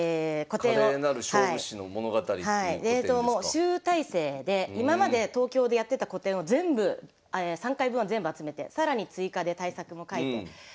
集大成で今まで東京でやってた個展を全部３回分を全部集めて更に追加で大作も描いて。